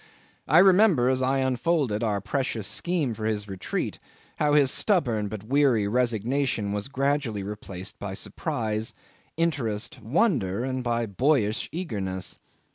I remember, as I unfolded our precious scheme for his retreat, how his stubborn but weary resignation was gradually replaced by surprise, interest, wonder, and by boyish eagerness.